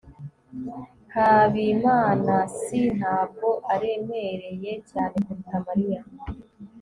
habimanaasi ntabwo aremereye cyane kuruta mariya